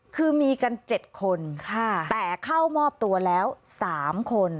คือมีกัน๗คนแต่เข้ามอบตัวแล้ว๓คน